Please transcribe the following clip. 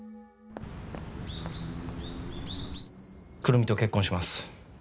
久留美と結婚します。